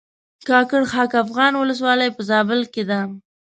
کاکړ خاک افغان ولسوالۍ په زابل کښې ده